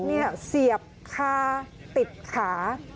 เหล็กเสียบคาติดขา